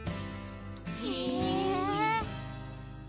へえ。